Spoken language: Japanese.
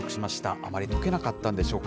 あまりとけなかったんでしょうか。